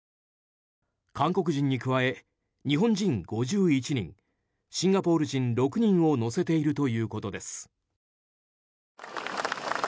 韓国人に加え、日本人５１人シンガポール人６人を乗せているということです。